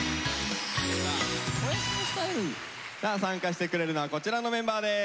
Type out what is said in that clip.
さあ参加してくれるのはこちらのメンバーです。